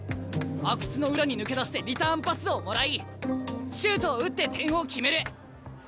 阿久津の裏に抜け出してリターンパスをもらいシュートを打って点を決める！